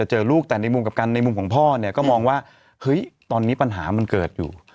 เจอลูกแต่ในมุมกับกันในมุมของพ่อเนี่ยก็มองว่าเฮ้ยตอนนี้ปัญหามันเกิดอยู่